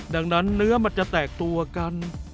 ดังนั้นเนื้อมันจะแตกตัวกัน